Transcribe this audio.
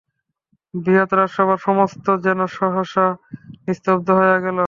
বৃহৎ রাজসভার সমস্ত যেন সহসা নিস্তব্ধ হইয়া গেল।